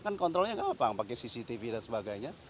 kan kontrolnya gampang pakai cctv dan sebagainya